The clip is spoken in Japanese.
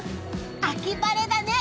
秋晴れだね！